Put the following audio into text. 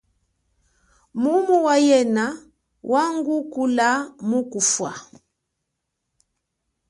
Mumu wa yena wangukula mu kufa.